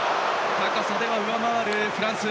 高さで上回るフランス。